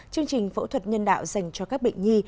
chương trình phẫu thuật nhân đạo dành cho các bệnh nhi